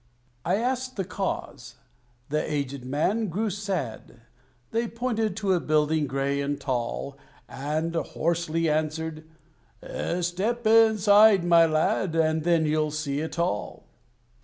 I asked the cause: the aged man grew sad: They pointed to a building gray and tall, And hoarsely answered "Step inside, my lad, And then you'll see it all."